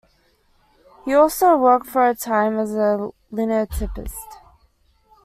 He also worked for a time as a linotypist.